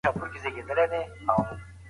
دا سړک اوږد دی